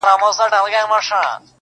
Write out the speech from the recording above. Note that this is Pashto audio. نور چي په شپېلۍ کي نوم په خوله مه راوړه~